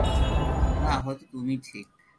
না, হয়ত তুমিই ঠিক।